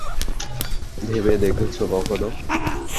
ভেবে দেখেছ কখনো?